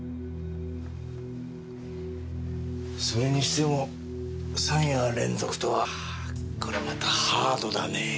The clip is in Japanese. それにしても三夜連続とはこりゃまたハードだね。